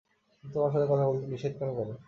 কিন্তু তোমার সাথে কথা বলতে নিষেধ কেন করে?